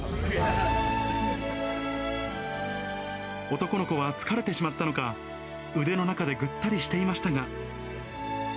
男の子は疲れてしまったのか、腕の中でぐったりしていましたが。